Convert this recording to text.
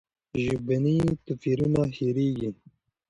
ژبني توپیرونه هېرېږي.